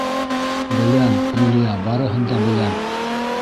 — Беләм, Юлия, барыһын да беләм.